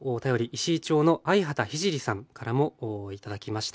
石井町の藍畑聖さんからも頂きました。